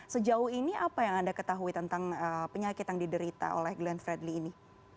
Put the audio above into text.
sejauh ini apa yang anda ketahui tentang penyakit yang diderita oleh glenn fredly ini